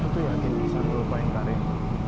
lo yakin bisa ngelupain karir